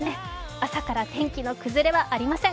朝から天気の崩れはありません